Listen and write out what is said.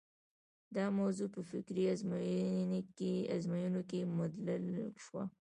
دا موضوع په فکري ازموینو کې مدلل شوه.